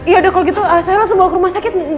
yaudah kalau gitu saya langsung bawa ke rumah sakit